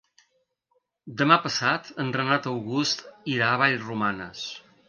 Demà passat en Renat August irà a Vallromanes.